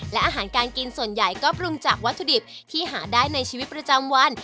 และอาหารการกินส่วนใหญ่ก็ปรุงจากวัตถุดิบที่หาได้ในชีวิตประจำวัน